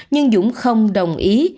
nhưng dũng không đồng ý